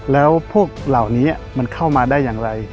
แล้วพวกเหล่านี้มันเข้ามาได้อย่างไร